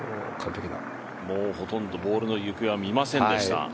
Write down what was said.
ほとんどボールの行方は見ませんでした。